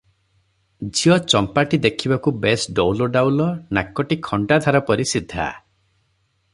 ଝିଅ ଚମ୍ପାଟି ଦେଖିବାକୁ ବେଶ ଡୌଲଡାଉଲ, ନାକଟି ଖଣ୍ଡାଧାର ପରି ସିଧା ।